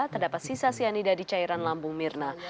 terdapat sisa cyanida di cairan lambung mirna